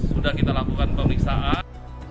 sudah kita lakukan pemeriksaan